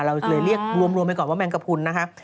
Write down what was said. เราเลยเรียกรวมไปก่อนว่าแมงกระพุนนะคะ